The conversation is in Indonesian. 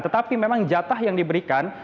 tetapi memang jatah yang diberikan